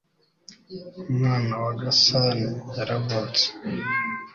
umwana wa gasani yaravutse